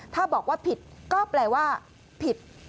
ถ้าบอกว่าผิดก็แปลว่าผิด